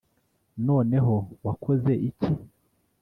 noneho wakoze iki